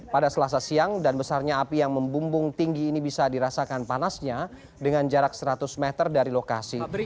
pada selasa siang dan besarnya api yang membumbung tinggi ini bisa dirasakan panasnya dengan jarak seratus meter dari lokasi